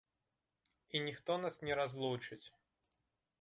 І ніхто нас не разлучыць!